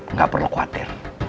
nggak perlu khawatir